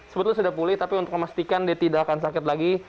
sebetulnya sudah pulih tapi untuk memastikan dia tidak akan sakit lagi